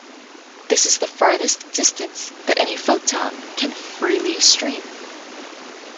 This is the farthest distance that any photon can freely stream.